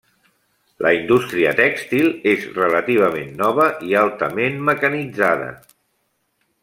La indústria tèxtil és relativament nova i altament mecanitzada.